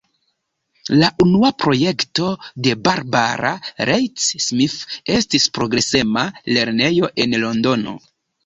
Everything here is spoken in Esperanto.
La unua projekto de Barbara Leigh Smith estis progresema lernejo en Londono.